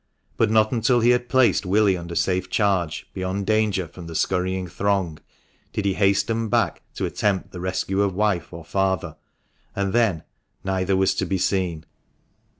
But not until he had placed Willie under safe charge, beyond danger from the scurrying throng, did he hasten back to attempt the rescue of wife or father ; and then neither was to be seen.